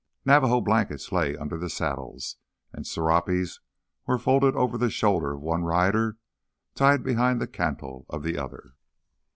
Navajo blankets lay under the saddles, and serapes were folded over the shoulder of one rider, tied behind the cantle of the other.